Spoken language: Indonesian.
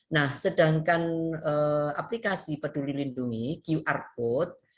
nah sedangkan aplikasi peduli lindungi qr code